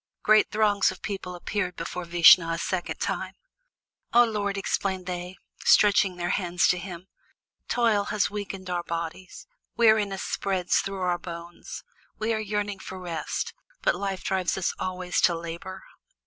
Great throngs of people appeared before Vishnu a second time. "O Lord!" exclaimed they, stretching their hands to him, "toil has weakened our bodies, weariness spreads through our bones, we are yearning for rest, but Life drives us always to labor."